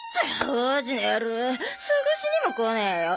王子の野郎捜しにもこねーよ。